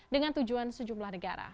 dengan tujuan sejumlah negara